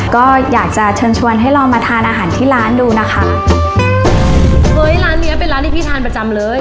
ก็อยากจะเชิญชวนให้ลองมาทานอาหารที่ร้านดูนะคะเฮ้ยร้านเนี้ยเป็นร้านที่พี่ทานประจำเลย